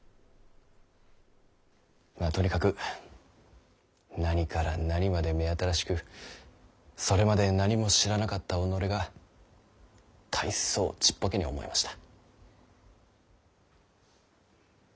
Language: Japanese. まあとにかく何から何まで目新しくそれまで何も知らなかった己が大層ちっぽけに思えました。